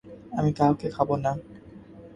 আমি কাউকে খাব না।